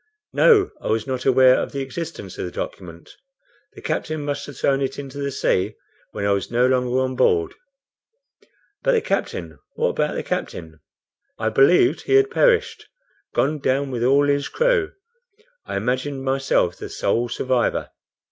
"No; I was not aware of the existence of the document. The captain must have thrown it into the sea when I was no longer on board." "But the captain? What about the captain?" "I believed he had perished; gone down with all his crew. I imagined myself the sole survivor."